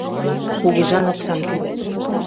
— Кугыжан оксам тӱлем.